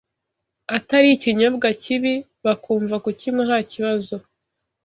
atari ikinyobwa kibi, bakumva kukinywa nta kibazo.